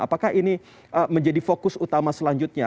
apakah ini menjadi fokus utama selanjutnya